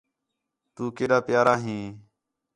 تو کیݙا پیارا ھیں